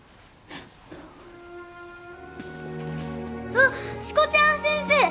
あっしこちゃん先生！